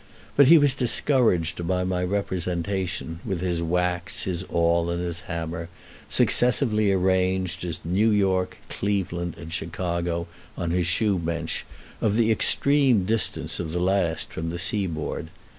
But he was discouraged by my representation, with his wax, his awl, and his hammer, successively arranged as New York, Cleveland, and Chicago, on his shoe bench, of the extreme distance of the last from the seaboard.